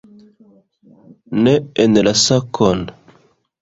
Ne en la sakon!